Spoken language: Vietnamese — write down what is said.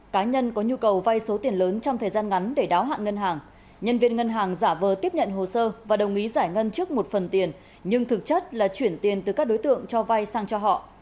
cá nhân có nhu cầu vay số tiền lớn trong thời gian ngắn để đáo hạn ngân hàng nhân viên ngân hàng giả vờ tiếp nhận hồ sơ và đồng ý giải ngân trước một phần tiền nhưng thực chất là chuyển tiền từ các đối tượng cho vay sang cho họ